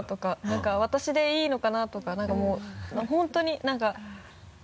何か私でいいのかな？とか何かもう本当に何か。